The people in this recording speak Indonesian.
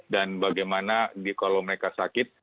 dan bagaimana kalau mereka sakit